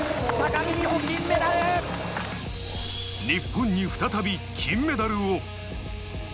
日本に再び金メダルを。